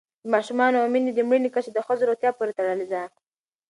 د ماشومانو او میندو د مړینې کچه د ښځو روغتیا پورې تړلې ده.